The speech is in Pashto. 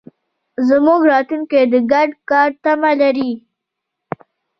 زموږ راتلونکی د ګډ کار تمه لري.